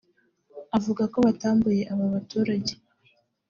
avuga ko batambuye aba baturage